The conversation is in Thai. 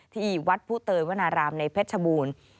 ที่วัดผู้เตยวนารามในเพชรบูรณ์